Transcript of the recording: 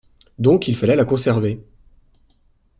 Donc il fallait la conserver.